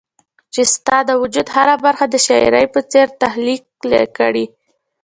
چي ستا د وجود هره برخه د شاعري په څير تخليق کړي